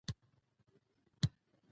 زه کتابونه لوستل خوښوم.